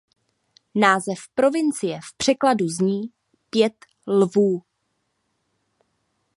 Název provincie v překladu zní "pět lvů".